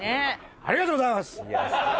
ありがとうございます！